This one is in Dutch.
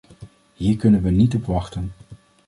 Hier kunnen we niet op wachten!